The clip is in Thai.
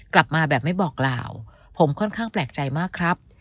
กลับมาแบบไม่บอกกล่าวผมค่อนข้างแปลกใจมากครับ